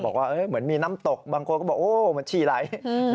บอกว่าเหมือนมีน้ำตกบางคนก็บอกโอ้เหมือนฉี่ไหล